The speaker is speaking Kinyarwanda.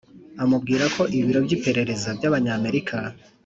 amubwira ko ibiro by'iperereza by'abanyamerika